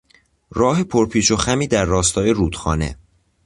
راه پریپچ و خمی در راستای رودخانه